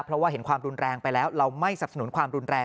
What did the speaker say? เพราะว่าเห็นความรุนแรงไปแล้ว